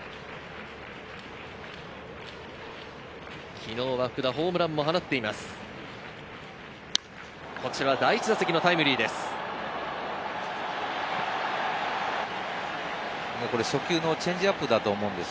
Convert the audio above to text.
昨日はホームランも放っています。